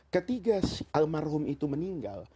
ketika almarhum itu meninggal